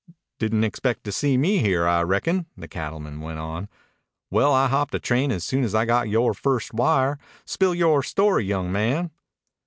"Didn't expect to see me here, I reckon," the cattleman went on. "Well, I hopped a train soon as I got yore first wire. Spill yore story, young man."